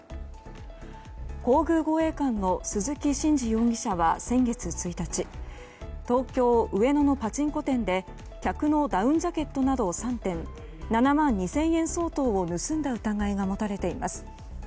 皇宮護衛官の鈴木真治容疑者は先月１日東京・上野のパチンコ店で客のダウンジャケットなど３点７万２０００円相当を盗んだ疑いが持たれています。